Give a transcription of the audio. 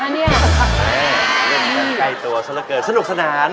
แค่ที่แจ้ง่ายตัวซักระเกิดสนุกสนาน